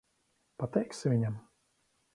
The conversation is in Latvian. Pateiksi viņam?